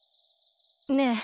ねえ。